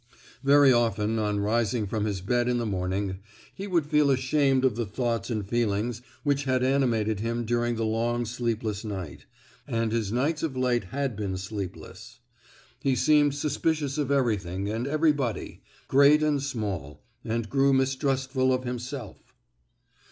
Very often, on rising from his bed in the morning, he would feel ashamed of the thoughts and feelings which had animated him during the long sleepless night—and his nights of late had been sleepless. He seemed suspicious of everything and everybody, great and small, and grew mistrustful of himself.